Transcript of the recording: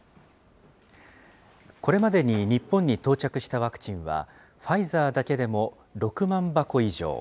これまでに日本に到着したワクチンは、ファイザーだけでも６万箱以上。